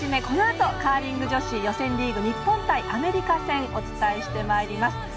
このあとカーリング女子予選リーグ、日本対アメリカ戦お伝えしてまいります。